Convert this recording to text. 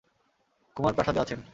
কুমার প্রাসাদে আছেন!